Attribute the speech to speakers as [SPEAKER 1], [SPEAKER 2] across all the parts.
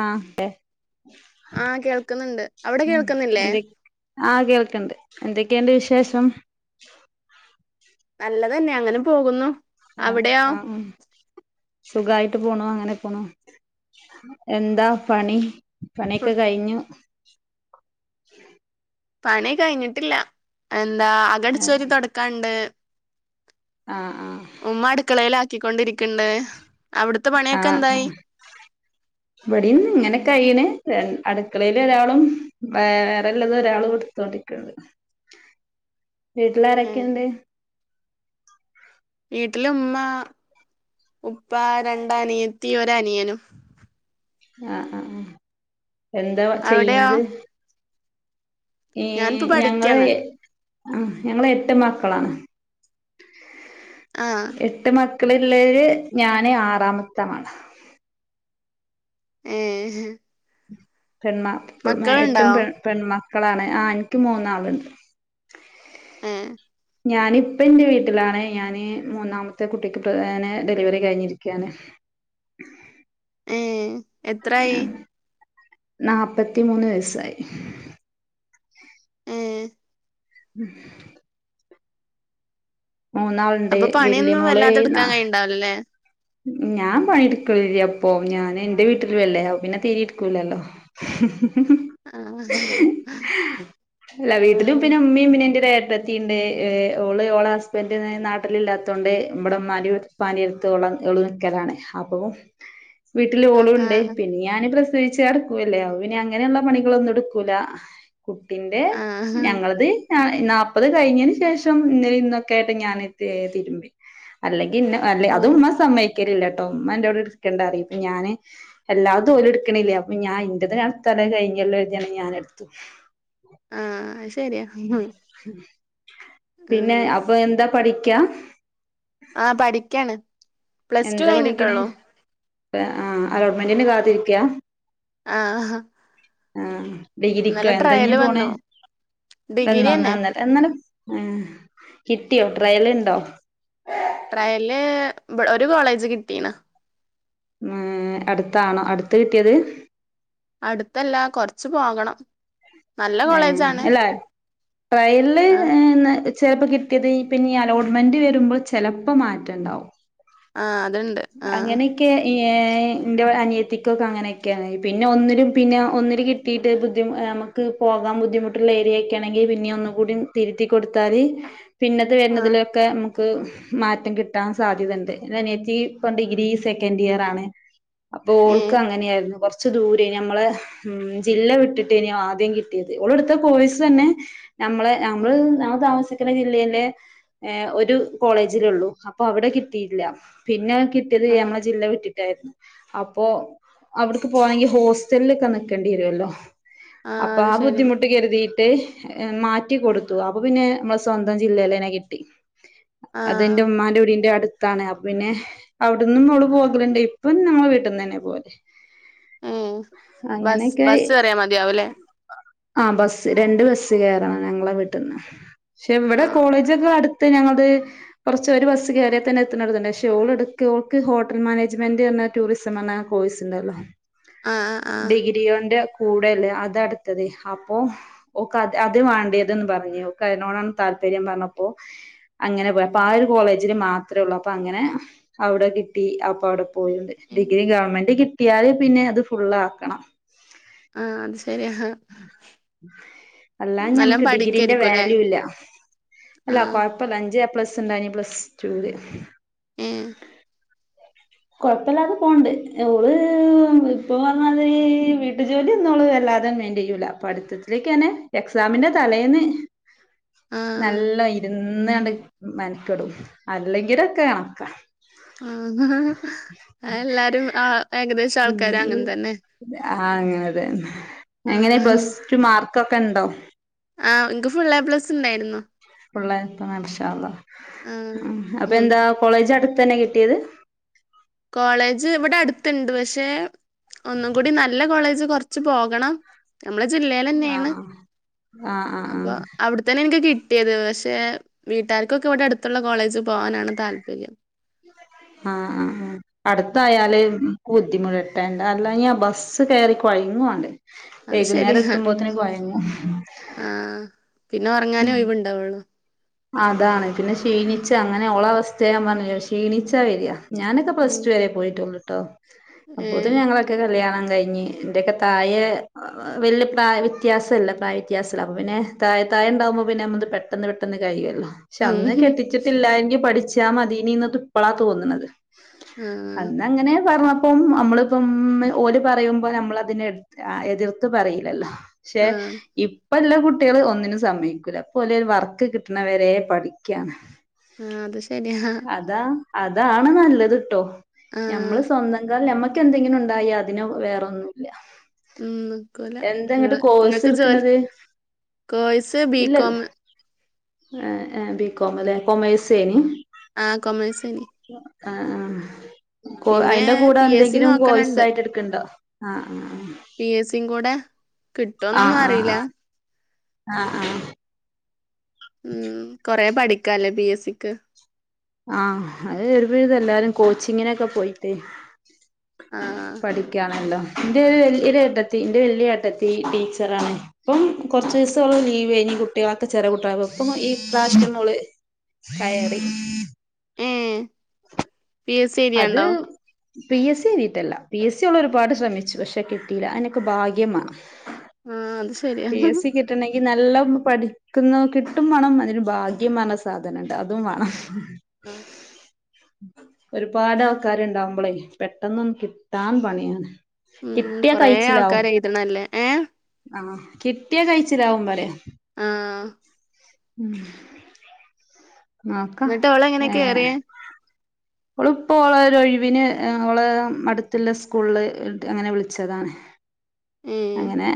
[SPEAKER 1] ആ അതെ
[SPEAKER 2] ആ കേൾക്കുന്നുണ്ട് അവിടെ
[SPEAKER 1] ഉം
[SPEAKER 2] കേൾക്കുന്നില്ലേ
[SPEAKER 1] എന്തൊക്കെയണ്ട് വിശേഷം
[SPEAKER 2] നല്ലതന്നെ അങ്ങനെ പോകുന്നു
[SPEAKER 1] ആഹ്
[SPEAKER 2] അവിടെയാ
[SPEAKER 1] ട്ട് പോണു അങ്ങനെ പോണു എന്താ പണി
[SPEAKER 2] ഉം,
[SPEAKER 1] പണിയൊക്കെ കഴിഞ്ഞു [inaudible]
[SPEAKER 2] പണി കഴിഞ്ഞിട്ടില്ല അ എന്താ
[SPEAKER 1] ആഹ്
[SPEAKER 2] അകടിച്ചോരി തുടക്കാണ്ട്
[SPEAKER 1] ആഹ്
[SPEAKER 2] ഉമ്മ അടുക്കളയില ക്കൊണ്ടിരിക്കണ്ട്
[SPEAKER 1] ആ ഇവടീന്ന് ഇങ്ങനെക്കെ കയ്യിണ് അടുക്കളയില് ഒരാളും വേറെള്ളത് ഒരാള് എടുത്തൊണ്ടിരിക്കാണ്
[SPEAKER 2] ഉം.
[SPEAKER 1] വീട്ടിലാരൊക്കെയണ്ട്?
[SPEAKER 2] വീട്ടില ഉമ്മ ഉപ്പ രണ്ട് അനിയത്തി ഒരനിയനും
[SPEAKER 1] ആ ആ ആ എന്താ
[SPEAKER 2] അവിടെയോ
[SPEAKER 1] ചെയ്യണത് ഏ
[SPEAKER 2] ഞാനിപ്പോ
[SPEAKER 1] ഞങ്ങള്....
[SPEAKER 2] പഠിക്കാണ്
[SPEAKER 1] ആ ഞങ്ങള് എട്ട് മക്കളാണ്
[SPEAKER 2] ആഹ്
[SPEAKER 1] എട്ട് മ മക്കളുള്ളയില് ഞാന് ആറാമത്താളാണ്
[SPEAKER 2] ഏ
[SPEAKER 1] പെൺമ എട്ടും പെൺ പെൺമ മക്കളാണ് ആ എനിക്ക് മൂന്നാളുണ്ട്
[SPEAKER 2] ആ
[SPEAKER 1] ഞാനിപ്പൻ്റെ വീട്ടിലാാണ് ഞാന് മൂന്നാമത്തെ കുട്ടിക്ക് ഡെലിവറി കഴിഞ്ഞിരിക്കയാണ്
[SPEAKER 2] ഏഹ് എത്രായി
[SPEAKER 1] നാപ്പത്തി മൂന്ന് ദിവസായി
[SPEAKER 2] ഏ
[SPEAKER 1] [inaudible] മൂന്നാളുണ്ട്
[SPEAKER 2] അപ്പൊ
[SPEAKER 1] വല്യ
[SPEAKER 2] പണിയൊന്നും വല്ലാതെ
[SPEAKER 1] മോളേയിന്ന
[SPEAKER 2] എടുക്കാൻ കഴിയുണ്ടാവില്ലല്ലേ
[SPEAKER 1] ഞാൻ പണിയെടുക്കലില്ല പ്പോ അപ്പൊ ഞാൻ ന്റെ വീട്ടിലുല്ലേ പിന്നെ തീരിം എടുക്കൂലല്ലോ
[SPEAKER 2] ആഹ്
[SPEAKER 1] വീട്ടിലും പിന്നെ ഉമ്മയും പിന്നീന്റെ യേ.... ത്തിണ്ട്ഓള് ഓളെ ഹസ്ബൻഡ് നാട്ടിലില്ലാത്തോണ്ട് ഇമ്മടെ ഉമ്മാന്റെം വീട്ടി പണിയെടുത്തോളാ ഓള് നിക്കലാണ് അപ്പൊ വീട്ടിൽ ഓളും
[SPEAKER 2] ആഹ്
[SPEAKER 1] ഉണ്ട്
[SPEAKER 2] ആഹ്
[SPEAKER 1] പിന്നെ ഞാൻ വിച്ചു കടക്കൂല്ലെയോ പിന്നെ അങ്ങനെയുള്ള പണികളൊന്നും എടുക്കൂല കുട്ടിന്റെ
[SPEAKER 2] ആഹ് ആഹ്
[SPEAKER 1] ഞങ്ങളത് ഞാ..... നാല്പ്പത് കഴിഞ്ഞതിന് ശേഷം ഇന്നലെ ഇന്നൊക്കൊയായിട്ട് ഞാൻ തിരുമ്മി അല്ലെങ്കി..... ന്ന് അല്ലെ
[SPEAKER 2] ഉം
[SPEAKER 1] അതും കിക്കല ട്ടോ അമ്മ എന്റോട് എടുക്കേണ്ട പറിം ഞാന് എല്ലാതും ഓലും എടുക്കണില്ലേ അപ്പൊ ഞാൻ ന്റെ നടത്തല കഴിഞ്ഞല്ലോ എഴുതിയാണ് ഞാൻ എടുത്തു
[SPEAKER 2] ആഹ് ശരിയാ
[SPEAKER 1] പിന്നെ
[SPEAKER 2] ആഹ്
[SPEAKER 1] അപ്പൊ എന്താ പഠിക്ക ക്യാ
[SPEAKER 2] ആഹ് പഠിക്കാണ് പ്ലസ് ടു
[SPEAKER 1] എന്താ പഠിക്ക്ണെ
[SPEAKER 2] കഴിഞ്ഞിട്ടൊള്ളോ
[SPEAKER 1] ആഹ് അലോട്ട്മെന്റിന് കാത്തിരിക്കയാ
[SPEAKER 2] ആ ഹ
[SPEAKER 1] ആ ഹ ഡിഗ്രിക്കോ എന്താ നീ പോണേ
[SPEAKER 2] ഡിഗ്രി തന്നെ
[SPEAKER 1] എന്നൊന്നന്നല്ല എന്നാലും ആ കിട്ടിയോ ട്രയൽ ഇണ്ടോ
[SPEAKER 2] ട്രയല് ഒരു കോളേജ് കിട്ടീന
[SPEAKER 1] ഏ അടുത്താണോ അടുത്ത കിട്ടിയത്
[SPEAKER 2] അടുത്തല്ലാ കൊറച്ച് പോകണം നല്ല
[SPEAKER 1] ഏ
[SPEAKER 2] കോളേജാണ്
[SPEAKER 1] അല്ല ട്രയല്ല്ല്
[SPEAKER 2] ആഹ്
[SPEAKER 1] ചിലപ്പോ കിട്ടിയത് പിന്നെ ഈ അലോട്ട്മെന്റ് വരുമ്പോൾ ചെലപ്പോ മാറ്റം ഉണ്ടാവും
[SPEAKER 2] ആ അതുണ്ട് ആ
[SPEAKER 1] എൻ്റെ അനിയത്തിക്കൊക്കെ അങ്ങനെയൊക്കെയാണ് പിന്നെ ഒന്നിലും പിന്നെ ഒന്നിൽ കിട്ടിയിട്ട് ബുദ്ധിമു ക്ക് പോകാൻ ബുദ്ധിമുട്ടുള്ള ഏരിയൊക്കെ ആണെങ്കിൽ പിന്നെ ഒന്നുകൂടി തിരുത്തി കൊടുത്താല് പിന്നത്
[SPEAKER 2] ആഹ്
[SPEAKER 1] വരുന്നതിലൊക്കെ ക്ക് മാറ്റം കിട്ടാൻ സാധ്യതണ്ട് ഇന്റനിയത്തി ഇപ്പൊ ഡിഗ്രി സെക്കൻഡ് ഇയർ ആണ് അപ്പൊ ഓൾക്ക്
[SPEAKER 2] ഏഹ്
[SPEAKER 1] അങ്ങനെയായിരുന്നു കൊറച്ച് കുറച്ച് ദൂരേ നമ്മള ഉം ജില്ല വിട്ടിട്ട് ഇനി ദ്യം കിട്ടിയത് ഓള് എടുത്ത കോഴ്സ് തന്നെ നമ്മളെ നമ്മള്
[SPEAKER 2] ഏഹ്
[SPEAKER 1] നമ തമാശ പക്കന ജില്ലയിലെ ഒരു കോളേജിലൊള്ളൂ അപ്പൊ അവിടെ കിട്ടിയില്ല പിന്നെ കിട്ടിയത്
[SPEAKER 2] ആഹ്
[SPEAKER 1] നമ്മള ജില്ല വിട്ടിട്ട് അപ്പോ അവിട്ക്ക് പോണമെങ്കി ഹോസ്റ്റലിലൊക്കെ നിക്കേണ്ടി വരുവല്ലോ
[SPEAKER 2] ആഹ്
[SPEAKER 1] അപ്പൊ
[SPEAKER 2] അത്
[SPEAKER 1] ആ
[SPEAKER 2] ശരി
[SPEAKER 1] ബുദ്ധിമുട്ട് കരുതി ട്ട് മാറ്റി കൊടുത്തു അപ്പൊ പിന്നെ മ്മളെ സ്വന്തം ജില്ലേലന്നെ കിട്ടി അത്
[SPEAKER 2] ആഹ്
[SPEAKER 1] ന്റെ ഉമ്മാന്റെ ഉടിന്റെ അട് താണ് അപ്പ പിന്നെ അവ്ട്ന്നും അവള് പോകല്ണ്ടെ. ഇപ്പം ഞങ്ങളെ വീട്ടിന്നന്നെ പോല്
[SPEAKER 2] ഏഹ് ബസ് ബസ്സ് വരാ മതിയാവുലെ
[SPEAKER 1] ആഹ് ബസ്സ്‌ രണ്ട് ബസ്സ് കേറണം ഞങ്ങളെ വീട്ടിന്ന് പക്ഷെ ഇവിടെ
[SPEAKER 2] ആഹ്
[SPEAKER 1] കോളേജൊക്കെ അടു- ഇത് ഞങ്ങളുടെ കൊറച്ച് ഒരു ബസ്സ് കയറിയാൽ തന്നെ എത്തുന്നടത് പക്ഷെ ഓൾ എടുക്ക് ഹോട്ടൽ മാനേജ്മെന്റ് എന്ന ടൂറിസം എന്ന കോഴ്സ് ഉണ്ടല്ലോ
[SPEAKER 2] ആഹ് ആഹ്
[SPEAKER 1] ഡിഗ്രി കൊണ്ട്- കൂടേല് അതടു- അപ്പോ ഓക്ക് അ അത് വേണ്ടിയതന്ന് പറഞ്ഞ അതിനോടാണ് താല്പര്യം പറഞ്ഞപ്പോ അങ്ങനെ പോയ അപ്പ ആ ഒരു കോളേജിൽ മാത്രമേ ഉള്ളൂ അപ്പ അങ്ങനെ അവിടെ കിട്ടി അപ്പ അവിടെ- പോയിണ്ട്
[SPEAKER 2] ഏഹ്
[SPEAKER 1] ഡിഗ്രി ഗവൺമെന്റ് കിട്ടി കിട്ടിയാല് പിന്നെ അത് ഫുള്ള് ആക്കണം
[SPEAKER 2] ആഹ അത-
[SPEAKER 1] അല്ലാ
[SPEAKER 2] നല്ലോം
[SPEAKER 1] നമക്ക് ഡിഗ്രീന്റെ
[SPEAKER 2] പഠിക്കായിരിക്കുംല്ലേ
[SPEAKER 1] വാല്യൂ ഇല്ല അല്ല
[SPEAKER 2] ആഹ്
[SPEAKER 1] കൊഴപ്പില്ല അഞ്ച്- പ്ലസ് ഉണ്ട് പ്ലസ് ടുല്
[SPEAKER 2] [unintelligible]
[SPEAKER 1] കൊഴപ്പില്ലാതെ പോണുണ്ട് ഓള് ഇപ്പൊ പറഞ്ഞാത് വീട്ട്ജോലി ഇന്നോള് വല്ലാതാൻ വേണ്ടി ചെയൂല പടിത്തത്തിലേക്ക്ന്നെ- എക്സാമിന്റെ തലേന്ന്
[SPEAKER 2] ആഹ്
[SPEAKER 1] നല്ല ഇരുന്ന് കണ്ട് മെനക്കടും അല്ലെങ്കിലൊക്കെ കണക്കാം
[SPEAKER 2] ആഹ ആ എല്ലാരും ആ ഏകദേശം ആൾക്കാരും അങ്ങനെ തന്നെ
[SPEAKER 1] ആ ആങ്ങനെ അത് എങ്ങനെ
[SPEAKER 2] ആഹ്
[SPEAKER 1] പ്ലസ് ടു മാർക്ക് കക്കണ്ടോ [unintelligible]
[SPEAKER 2] ആഹ് ഇൻക്ക് ഫുൾ എ പ്ലസ് ഇണ്ടായിരുന്നു.
[SPEAKER 1] പിള്ളേര്പ്പം മാശാള്ളാ
[SPEAKER 2] ആഹ്
[SPEAKER 1] അപ്പൊ
[SPEAKER 2] ഉം
[SPEAKER 1] എന്താ കോളേജ് അടുത്ത് തന്നെ കിട്ടിയത്
[SPEAKER 2] കോളേജ് ഇവിടെ അടുത്ത്ണ്ട് പക്ഷെ ഒന്നും കൂടി നല്ല കോളേജ് കൊറച്ച് പോകണം നമ്മള ജില്ലേൽ
[SPEAKER 1] ആ
[SPEAKER 2] തന്നെയാണ്
[SPEAKER 1] ആ ആ ആ
[SPEAKER 2] അപ്പൊ അവിടെത്തന്നെ എനിക്ക് കിട്ടി കിട്ടിയത് പക്ഷെ വീട്ടുകാർക്കൊക്കെ ഇവിടെ അടുത്തുള്ള കോളേജിൽ പോകാനാണ് താല്പര്യം
[SPEAKER 1] ആഹ് ആ അടുത്തായാല് ബുദ്ധിമുട്ടേണ്ട അല്ലേ ബസ്സ് കയറി കുഴങ്ങോണ്ട്
[SPEAKER 2] അത്
[SPEAKER 1] വൈകുന്നേരം
[SPEAKER 2] ശരിയാ.
[SPEAKER 1] എത്തുമ്പോത്തനെ കൊയങ്ങും
[SPEAKER 2] ആഹ് പിന്നെ ഒറങ്ങാനേ ഒവുണ്ടാവുള്ളൂ
[SPEAKER 1] അതാണ് പിന്നെ ക്ഷീണിച്ച അങ്ങനെയ ഒള്ള അവസ്ഥ അതാ ഞാൻ പറഞ്ഞേ ക്ഷീണിച്ചാ വരിക ഞാനൊക്കെ
[SPEAKER 2] ഉം
[SPEAKER 1] പ്ലസ് ടു വരെ പോയിട്ടുള്ളു ട്ട അപ്പോത്തിനും
[SPEAKER 2] ഏഹ്
[SPEAKER 1] ഞങ്ങളൊക്കെ കല്യാണം കഴിഞ് എന്റെക്കെ താഴെ വല്ല്യ പ്രായ വ്യത്യാസല്ല പ്രായ വ്യത്യാസല്ല അപ്പ പിന്നെ താഴെ താഴെ ഉണ്ടകുമ്പോ പിന്നെ നമ്മൾത്പെട്ടെന്ന് പെട്ടെന്ന് പെട്ടെന്ന് കയ്യൊല്ലോ ക്ഷെ
[SPEAKER 2] ഉം
[SPEAKER 1] അന്ന് കെട്ടിച്ചിട്ടില്ല എങ്കി പഠിച്ച ഞ്ഞാമതീനി ഇന്ന ഇപ്പളാ തോന്ന്ണത്
[SPEAKER 2] ആഹ്
[SPEAKER 1] അന്ന് അങ്ങനെ പറഞ്ഞ അപ്പം അമ്മളിപ്പം ഓല് പറയുമ്പോ നമ്മൾ അതിനെ എതിർത്ത് പറയില്ലല്ലോ. ക്ഷെ
[SPEAKER 2] ആഹ്
[SPEAKER 1] ഇപ്പല്ല കുട്ട്. കുട്ടികൾ ഒന്നിനും സമയ്ക്കൂല്ല പോല് വർ കിട്ട്ണവരെ പഠിക്കാണ്.
[SPEAKER 2] ആ അത് ശരിയാ
[SPEAKER 1] അതാ അതാണ് നല്ലത് ട്ടോ ഞമ്മള്
[SPEAKER 2] ആഹ്
[SPEAKER 1] സ്വന്തം കാല് ഞമ്മ എന്തെങ്കിലും ഉണ്ടായി അതിന് വേറെന്നുല്ല
[SPEAKER 2] ഉം നിക്കുല ങ്ങ് നിങ്ങക്ക് ജോലി
[SPEAKER 1] എടുക്ക്ണത്
[SPEAKER 2] കോഴ്സ് ബികോം
[SPEAKER 1] ആ ഏ ബികോം അല്ലെ കോമേഴ്സ് ഏനി
[SPEAKER 2] ആ കൊമേഴ്സ് ഏനി
[SPEAKER 1] ആഹ് ആഹ് കോ അയിന്റെ കൂടെ
[SPEAKER 2] പി എസ് സി
[SPEAKER 1] എന്തെങ്കിലും കോയ്സ്
[SPEAKER 2] നോക്കണണ്ട്
[SPEAKER 1] ആയിട്ട് എടുക്ക് ണ്ടൊ ആ ഹ്
[SPEAKER 2] പി എസ് സി കൂടെ കിട്ടോന്നൊന്നും
[SPEAKER 1] ആഹ്
[SPEAKER 2] അറീല
[SPEAKER 1] ആഹ് ആഹ് ഹ
[SPEAKER 2] ഉം കൊറെ പഠിക്കാല്ലേ ബി എ സിക്ക്
[SPEAKER 1] ആഹ് അത് [unintelligible] എല്ലാരും കോച്ചിങ്ങിനൊക്കെ പോയിട്ട് അ
[SPEAKER 2] ആഹ്
[SPEAKER 1] പഠിക്കാണല്ലോ എന്റെ ഒരു വല്യ ഏട്ടത്തി എന്റെ വല്യ ട്ടത്തി ടീച്ചറാണ് ഇപ്പം കൊറച്ചീസം ഓള് ലീവേനി കുട്ട്യേളൊക്കെ ചെറ്യേകുേട്ട്യള് ഇപ്പൊ ഈ പ്രാവശ്യോള് കയറി
[SPEAKER 2] ഉം പി എസ് സി
[SPEAKER 1] അത്
[SPEAKER 2] എഴുത്യാണ്ടോ
[SPEAKER 1] പി എസ് സി എഴുതിയിട്ടല്ല പി എസ് സി ഉള്ള ഒരുപാട് ശ്രമിച് പക്ഷെ കിട്ടീല്ല അനക്കെ ഭാഗ്യമാണം
[SPEAKER 2] ആ അത് ശരിയ. ഹ് ഹ്
[SPEAKER 1] എ ൻക്ക്യനല്ല പഠിക്കുന്നുകിട്ടും മണം അതിന് ഭാഗ്യം പറ്ന്ന സാധനം ഉണ്ട് അതും മാണം
[SPEAKER 2] ആഹ്
[SPEAKER 1] ഒരുപാട് ആൾക്കാര് ഇണ്ടാവുമ്പളേ പെട്ടെന്നൊന്ന് കിട്ടാൻ പണിയാണ്.
[SPEAKER 2] ഉം
[SPEAKER 1] കിട്ടിയാ
[SPEAKER 2] കൊറെ
[SPEAKER 1] കഴിച്ചിലാവും
[SPEAKER 2] ആൾക്കാര് എഴുതണല്ലേ ഏ.
[SPEAKER 1] ആഹ് കിട്ടിയാ കഴിച്ചിലാവും പറയാ
[SPEAKER 2] ആ.
[SPEAKER 1] ഉം നോക്കാ
[SPEAKER 2] എന്നിട്ട് ഓളെങ്ങനെ
[SPEAKER 1] ഏഹ്
[SPEAKER 2] കേറിയേ
[SPEAKER 1] ഓളിപ്പ ഓള ഒരു ഒഴിവിന് അവള് അടുത്തിള്ള സ്കൂളില് അങ്ങനെ വിളിച്ചതാണ്.
[SPEAKER 2] ഏ
[SPEAKER 1] അങ്ങനെ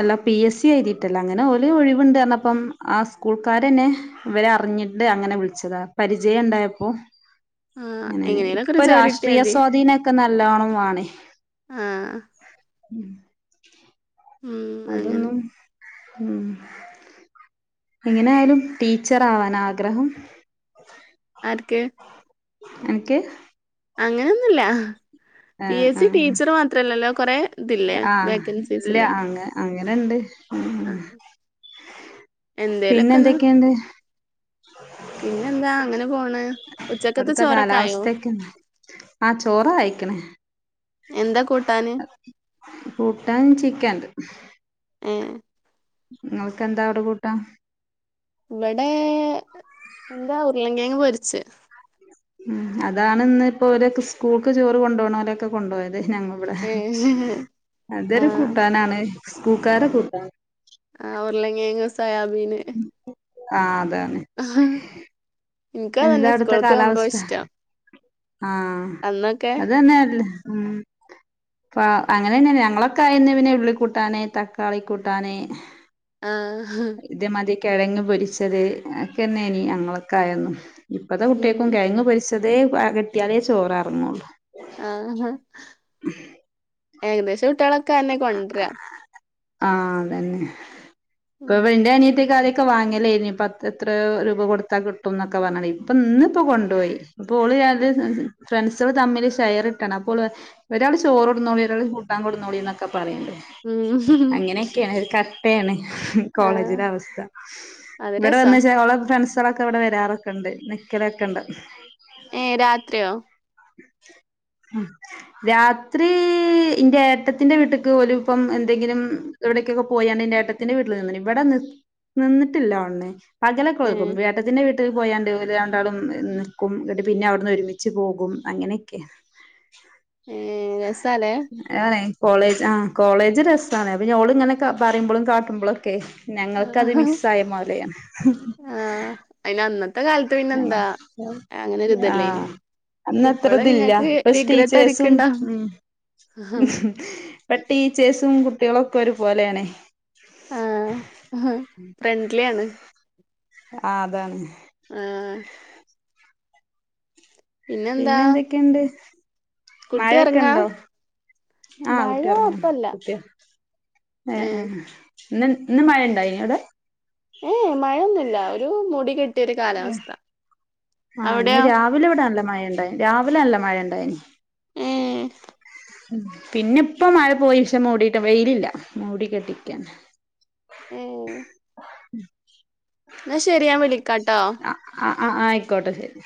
[SPEAKER 1] അല്ല പി. എസ്. സി എഴുതീട്ടല്ല. അങ്ങനെ ഓല് ഒഴിവിണ്ട് അറിഞ്ഞപ്പം ആ സ്കൂൾക്കാരന്നെ ഇവരെ അറിഞ്ഞിട്ട് അങ്ങനെ വിളിച്ചതാ പരിചയം ഇണ്ടായപ്പോ
[SPEAKER 2] ആഹ് എങ്ങനേലൊക്കെ
[SPEAKER 1] ഇപ്പൊ
[SPEAKER 2] ഒരു ജോലി കിട്ടിയാ
[SPEAKER 1] രാഷ്ട്രീയ
[SPEAKER 2] മതി
[SPEAKER 1] സ്വാധീനൊ ക്കെ നല്ലോണം വാണെ
[SPEAKER 2] ആഹ്
[SPEAKER 1] ഉം
[SPEAKER 2] ഉം അങ്ങനെ
[SPEAKER 1] അതൊന്നും ഉം എങ്ങനെയാലും ടീച്ചർ ആവാനാ ആഗ്രഹം.
[SPEAKER 2] ആർക്ക്
[SPEAKER 1] അൻക്ക്
[SPEAKER 2] അങ്ങനെയൊന്നുല്ല പി. എസ്.
[SPEAKER 1] ആ
[SPEAKER 2] സി ടീച്ചർ മാത്രല്ലല്ലോ കൊറേ ഇതില്ലേ
[SPEAKER 1] ആ ഇല്ല
[SPEAKER 2] വേക്കൻസീസില്
[SPEAKER 1] അങ്ങ അങ്ങനെണ്ട് ഉം
[SPEAKER 2] എന്തേലൊക്കെന്ന്
[SPEAKER 1] പിന്നെന്തൊക്കെണ്ട്?
[SPEAKER 2] പിന്നെന്താ അങ്ങനെ പോണ് ഉച്ചക്കത്തെ
[SPEAKER 1] അവിടുത്തെ
[SPEAKER 2] ചോറൊക്കെ ആയോ
[SPEAKER 1] കാലാവസ്ഥക്കെ [unintelligible] ആഹ് ചോറായിക്കണ്
[SPEAKER 2] എന്താ കൂട്ടാന്
[SPEAKER 1] കൂട്ടാൻ ചിക്കൻണ്ട്
[SPEAKER 2] ഏഹ്
[SPEAKER 1] ങ്ങൾക്ക് എന്താ അവിടെ കൂട്ടാ
[SPEAKER 2] ഇവിടെ എന്താ ഉ ര്ളങ്കെഴങ്ങ് പൊരിച്ച്
[SPEAKER 1] ഉം അതാണ് ഇന്ന് ഇപ്പോ ഇവരൊക്കെ സ്കൂൾക്ക് ചോറ് കൊണ്ടുപോണൊലൊക്കെ കൊണ്ടോയത് തെ ഞങ്ങ ഇവിടെ
[SPEAKER 2] ഏ ആ
[SPEAKER 1] അതൊരു കൂട്ടാനാണ് കൂക്കാര കൂട്ടാ
[SPEAKER 2] സൊയാ ബീന്
[SPEAKER 1] ആഹ് എന്താ
[SPEAKER 2] എനിക്കതെന്നെ സ്കൂൾക്ക് പോകുമ്പോ ഇഷ്ടം
[SPEAKER 1] ആഹ്
[SPEAKER 2] അന്നൊക്കെ
[SPEAKER 1] അതന്നെയല്ലേ ഉം അ അങ്ങനെന്നെ ഞങ്ങളൊക്കെ ആയന്ന് പിന്നെ ഉള്ളികൂട്ടാന് തക്കാളി കൂട്ടാന്
[SPEAKER 2] ആ
[SPEAKER 1] ഇത് മതി കിഴങ്ങ് പൊരിച്ചത് ഒക്കെന്നെനി അക്കെന്നെനി ന്നങ്ങളൊക്കെ ആയന്നും ഇപ്പത്തെ
[SPEAKER 2] ഉം
[SPEAKER 1] കുട്ട്യേക്കും കെഴങ്ങ് പൊരിച്ച് തേ പ കിട്ടിയാലേ ചോറെർങ്ങാെള്ളൂ
[SPEAKER 2] ആഹ ഏകദേശം കുട്ട്യേളൊക്കെ അന്നെ കൊണ്ട് രാ
[SPEAKER 1] ആ അതന്നെ
[SPEAKER 2] ഉം
[SPEAKER 1] ക്ക. പ്പന്റെ അനിയത്തി ഒക്കെ ആദ്യ ക്ക വാങ്ങലേനി പത്ത് എത്രോ രൂപ കൊടുത്താ കിട്ടുംന്നൊക്കെ പറഞ്ഞു ഇപ്പൊ ഇന്നിപ്പോ കൊണ്ടുപോയി ഇപ്പോൾ അത് ഫ്രണ്ട്സുകള് തമ്മിൽ ഷെയർ ഇട്ടാണ് അപ്പോള് പ ഒരാള് ചോറ് കൊണ്ട്ന്നോളി ഒരാള് കൂട്ടാൻകൊണ്ട് ന്നോളിന്നൊക്കെ പറയണ്ട്
[SPEAKER 2] ഉം
[SPEAKER 1] അങ്ങനെക്കെയാ ഒരു ക പേയണ്
[SPEAKER 2] ആ
[SPEAKER 1] കോളേജിലെ അവസ്ഥ
[SPEAKER 2] അത്
[SPEAKER 1] ഇവിടെ
[SPEAKER 2] രസാ
[SPEAKER 1] വന്ന്ച്ചാ അവളെ ഫ്രണ്ട്സ് ങ്ങളൊക്കെ ഇവ്ടെ വരാറൊക്കെണ്ട് നിക്കലൊക്കെണ്ട്
[SPEAKER 2] ഏ രാത്രിയോ
[SPEAKER 1] രാത്രി ഇന്റെ ട്ടത്തിന്റെ വീട്ട്ക്ക് ഓല് പ്പം എന്തെങ്കിലും എവിടേക്കൊക്കെ പോയണ്ട് ന്റെ ഏട്ടത്തിന്റെ വീട്ടിൽ നിന്ന്ണ് ഇവിടെ നി നിന്നിട്ടില്ലോണ് പകലൊക്കെ
[SPEAKER 2] ഏ
[SPEAKER 1] നിക്കും ഏട്ടത്തിന്റെ വീ ട്ട് പോയാണ്ട് ഇവര് രണ്ടാളും നിക്കും പിന്നെ അവിടുന്ന് ഒരുമിച്ച് പോകും അങ്ങനൊക്കെയാ
[SPEAKER 2] ഏ രസാലേ
[SPEAKER 1] അതാണേ കോളേജ് ആ കോളേജ് രസാണ് പിന്നെ ഓള് ഇങ്ങനെ ക പറിമ്പളും കാട്ടുമ്പാെളൊക്കെ
[SPEAKER 2] ആ
[SPEAKER 1] ഞങ്ങൾക്കത് മിസ്സായ മാതിരിയാണ്
[SPEAKER 2] ആഹ് അയിന് അന്നത്തെ കാലത്ത് പിന്നെ എന്താ അങ്ങനെ
[SPEAKER 1] ആ
[SPEAKER 2] ഒരിതല്ലേനി ഇപ്പള്
[SPEAKER 1] അന്നത്രതില്ല
[SPEAKER 2] ഇങ്ങക്ക്
[SPEAKER 1] പ്പ
[SPEAKER 2] റിഗ്രറ്റ്
[SPEAKER 1] സ്ടീച്ചേഴ്സും
[SPEAKER 2] അടിക്ക്ണ്ടാവും
[SPEAKER 1] ഇപ്പോ ടീച്ചേഴ്സ് സും കുട്ടികളൊക്കെ ഒരുപോലെയാണെ
[SPEAKER 2] ആ ഹ ഫ്രണ്ട്ലി ആണ്
[SPEAKER 1] ആ അതാണ്
[SPEAKER 2] ആ പിന്നെന്താ
[SPEAKER 1] പിന്നെന്തെക്കെണ്ട്
[SPEAKER 2] കുട്ടി
[SPEAKER 1] മഴെക്കെ
[SPEAKER 2] ഒറങ്ങാ
[SPEAKER 1] ണ്ടോ ആ
[SPEAKER 2] മഴ
[SPEAKER 1] കുട്ടി ഒർങ്ങാ
[SPEAKER 2] ഇപ്പല്ല
[SPEAKER 1] കുട്ട്യാേ ഏ ഏ ഇന്ന് ന്ന് മഴണ്ടായിന്യോ അവ്ടെ
[SPEAKER 2] ഏ എ മഴെന്നുല്ല ഒരു മൂടി കെ ട്ടിയൊരു കാലാവസ്ഥ
[SPEAKER 1] ആ ഇന്ന്
[SPEAKER 2] അവിടെയോ
[SPEAKER 1] രാവിലെ ഇവിടെ നല്ല മഴ ണ്ടായി രാവിലെ നല്ല മഴണ്ടായീന്
[SPEAKER 2] ഏ
[SPEAKER 1] ഉം പിന്നെ ഇപ്പ മഴ പോയി പക്ഷെ മൂടിട്ട വെയിലില്ല മൂടി കെട്ടിക്കണ്
[SPEAKER 2] ഏഹ് എന്നാ ശെരിയാ വിളിക്കാട്ടോ
[SPEAKER 1] അ ആഹ് ആയിക്കോട്ടെ ശരി.